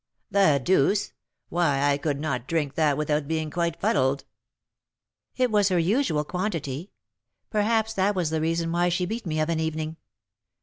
"The deuce! Why, I could not drink that without being quite fuddled!" "It was her usual quantity; perhaps that was the reason why she beat me of an evening.